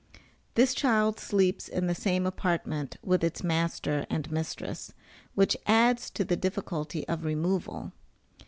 This child sleeps in the same apartment with its master and mistress, which adds to the difficulty of removal.